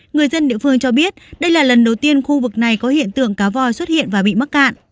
người dân địa phương cho biết đây là lần đầu tiên khu vực này có hiện tượng cá voi xuất hiện và bị mắc cạn